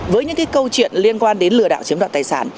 với những câu chuyện liên quan đến lừa đảo chiếm đoạt tài sản